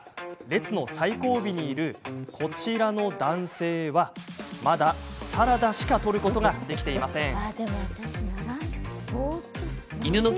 列の最後尾にいるこちらの男性はまだサラダしか取ることができていません。